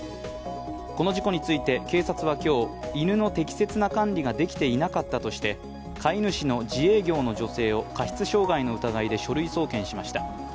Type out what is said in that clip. この事故について、警察は今日、犬の適切な管理ができていなかったとして、飼い主の自営業の女性を過失傷害の疑いで書類送検しました。